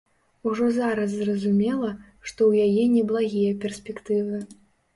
Ужо зараз зразумела, што ў яе неблагія перспектывы.